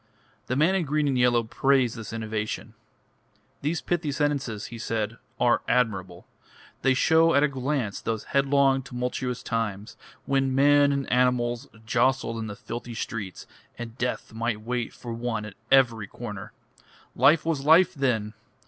The man in green and yellow praised this innovation. "These pithy sentences," he said, "are admirable. They show at a glance those headlong, tumultuous times, when men and animals jostled in the filthy streets, and death might wait for one at every corner. Life was life then!